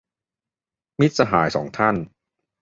มิตรสหายท่านสอง